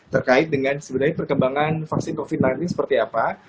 terkait dengan sebenarnya perkembangan vaksin covid sembilan belas seperti apa